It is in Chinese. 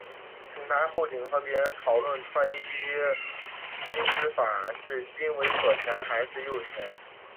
行台侯景和别人讨论穿衣衣襟之法是襟为左前还是右前。